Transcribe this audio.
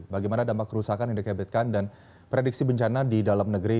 bagaimana dampak kerusakan yang dikebetkan dan prediksi bencana di dalam negeri